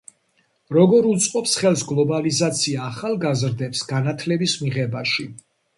როგორ უწყობს ხელს გლობალიზაცია ახალგაზრდებს განათლების მიღებაში